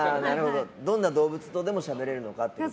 どんな動物とでもしゃべれるのかという。